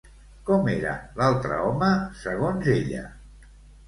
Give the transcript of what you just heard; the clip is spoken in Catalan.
Com era l'altre home, segons ella?